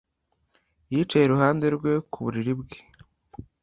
Yicaye iruhande rwe ku buriri bwe